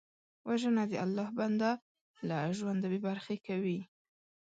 وژنه د الله بنده له ژونده بېبرخې کوي